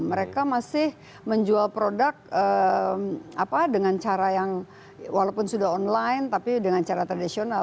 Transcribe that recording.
mereka masih menjual produk dengan cara yang walaupun sudah online tapi dengan cara tradisional